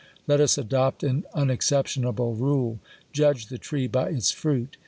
Let us adopt an unexceptionable rule ;*' Judge the tree by its fruit."